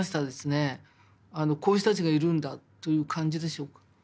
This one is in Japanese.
こういう人たちがいるんだという感じでしょうか。